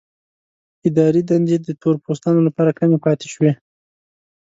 اداري دندې د تور پوستانو لپاره کمې پاتې شوې.